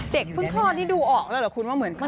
เด็กพื้นคลอนนี้ดูออกแล้วหรือคุณว่าเหมือนใคร